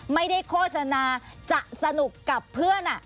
ไม่ได้โฆษณาจะสนุกกับเพื่อน